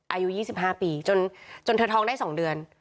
อายุ๒๕ปีจนเธอท้องได้๒เดือน